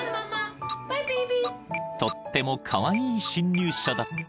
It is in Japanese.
［とってもカワイイ侵入者だった］